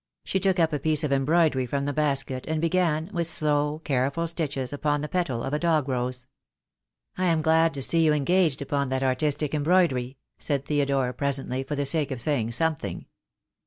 She took up a piece of embroidery from the basket, and began, with slow, careful stitches, upon the petal of a dog rose. "I am glad to see you engaged upon that artistic embroidery," said Theodore, presently, for the sake of saying something.